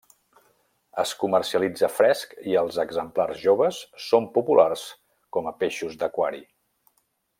Es comercialitza fresc i els exemplars joves són populars com a peixos d'aquari.